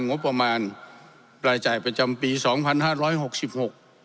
งบประมาณรายจ่ายประจำปีสองพันห้าร้อยหกสิบหก